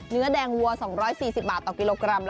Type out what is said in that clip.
เนื้อแดงวัว๒๔๐บาทต่อกิโลกรัม